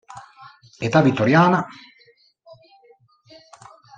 Età vittoriana.